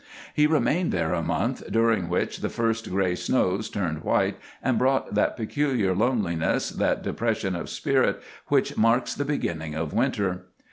He remained there a month, during which the first gray snows turned white and brought that peculiar loneliness, that depression of spirit which marks the beginning of winter.